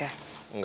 nah ini orangnya